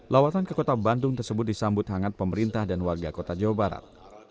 lawatan ke kota bandung tersebut disambut hangat pemerintah dan warga kota jawa barat